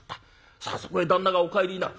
さあそこへ旦那がお帰りになる。